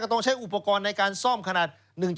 ต้องใช้อุปกรณ์ในการซ่อมขนาด๑๗